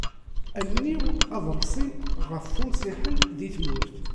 Allen-iw ad reṣṣint ɣef wunṣiḥen di tmurt.